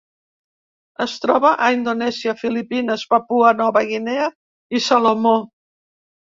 Es troba a Indonèsia, Filipines, Papua Nova Guinea i Salomó.